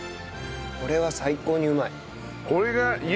これは最高にうまい。